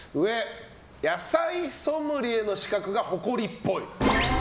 野菜ソムリエの資格が誇りっぽい。